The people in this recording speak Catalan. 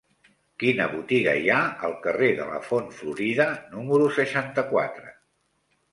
Quina botiga hi ha al carrer de la Font Florida número seixanta-quatre?